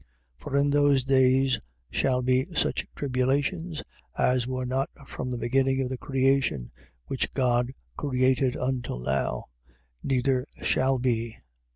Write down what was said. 13:19. For in those days shall be such tribulations as were not from the beginning of the creation which God created until now: neither shall be.